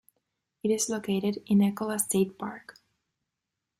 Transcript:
It is located in Ecola State Park.